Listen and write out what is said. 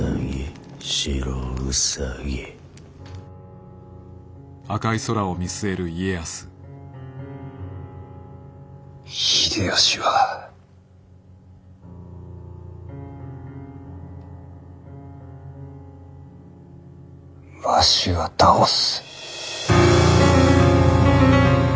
白兎秀吉はわしが倒す。